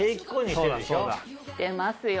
してますよ